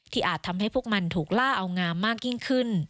อาจทำให้พวกมันถูกล่าเอางามมากยิ่งขึ้น